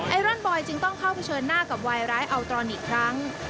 รอนบอยจึงต้องเข้าเผชิญหน้ากับวายร้ายอัลตรอนอีกครั้ง